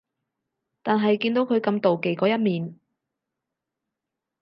但係見到佢咁妒忌嗰一面